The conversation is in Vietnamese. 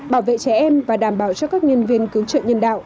bảo vệ trẻ em và đảm bảo cho các nhân viên cứu trợ nhân đạo